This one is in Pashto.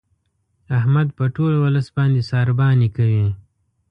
احمد په ټول ولس باندې سارباني کوي.